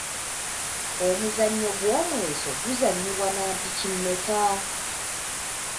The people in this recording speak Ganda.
Omuzannyo gw’omweso guzannyibwa na mpiki mmeka ?